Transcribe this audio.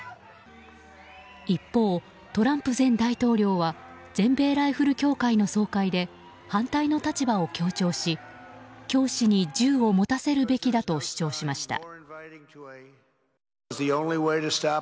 一方、トランプ前大統領は全米ライフル協会の総会で反対の立場を強調し教師に銃を持たせるべきだと主張しました。